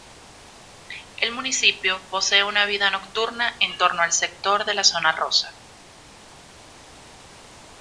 El municipio posee una vida nocturna en torno al sector de la Zona Rosa.